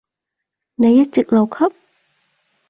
你一直留級？